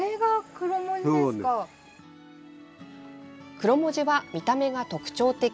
クロモジは見た目が特徴的。